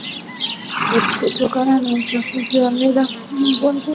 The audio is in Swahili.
kutokana na uchafuzi wa hewa ulimwenguni